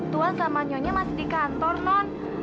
tuhan sama nyonya masih di kantor non